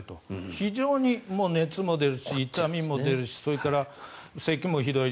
非常に熱も出るし痛みも出るしそれからせきもひどい。